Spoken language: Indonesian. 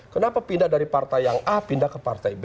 kenapa pindah dari partai yang a pindah ke partai b